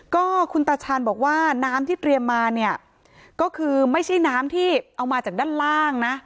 ก็คุณตาชาญบอกว่าน้ำที่เตรียมมาเนี่ยก็คือไม่ใช่น้ำที่เอามาจากด้านล่างนะ